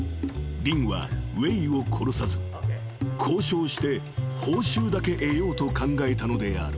リンはウェイを殺さず交渉して報酬だけ得ようと考えたのである］